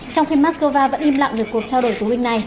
trong khi moscow vẫn im lặng về cuộc trao đổi của binh này